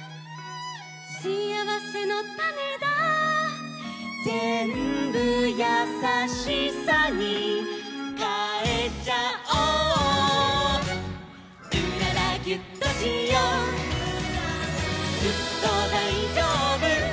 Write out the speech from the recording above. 「しあわせのたねだ」「ぜんぶやさしさにかえちゃおう」「うららギュッとしよう」「ずっとだいじょうぶ」